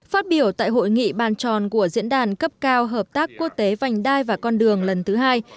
phát biểu tại hội nghị bàn tròn của diễn đàn cấp cao hợp tác quốc tế vành đai và con đường lần thứ hai